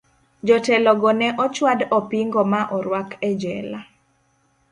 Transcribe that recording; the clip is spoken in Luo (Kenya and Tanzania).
Jotelo go ne ochwad opingo ma orwak e jela.